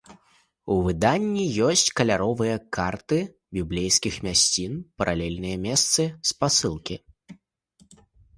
У выданні ёсць каляровыя карты біблейскіх мясцінаў, паралельныя месцы, спасылкі.